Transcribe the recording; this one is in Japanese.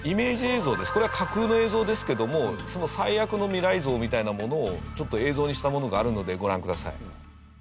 これは架空の映像ですけどもその最悪の未来像みたいなものをちょっと映像にしたものがあるのでご覧ください。